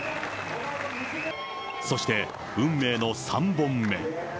そして運命の３本目。